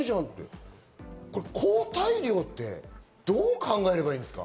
抗体量ってどう考えればいいですか？